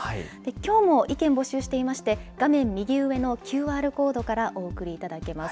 きょうも意見募集していまして、画面右上のＱＲコードからお送りいただけます。